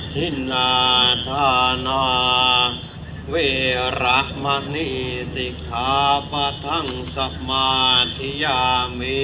อธินาธาเวระมะนิสิขาปะทังสมาธิยามี